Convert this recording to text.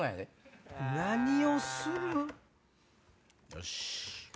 よし！